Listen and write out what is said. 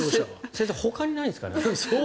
先生ほかにないですかね。